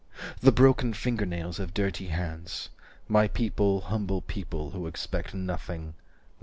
The broken finger nails of dirty hands. My people humble people who expect Nothing."